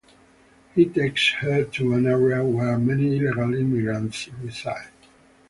He takes her to an area where many illegal immigrants reside.